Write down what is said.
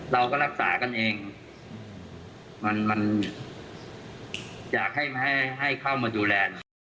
เราก็รักษากันเองมันอยากให้เข้ามาดูแลหน่อย